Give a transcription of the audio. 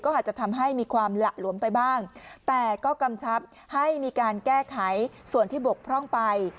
อาจจะทำให้มีความหละหลวมไปบ้างแต่ก็กำชับให้มีการแก้ไขส่วนที่บกพร่องไป